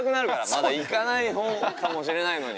まだ行かないかもしれないのに。